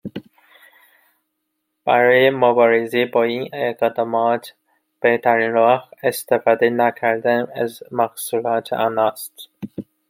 برای مبارزه با این اقدامات، بهترین راه، استفاده نکردن از محصولات آنان است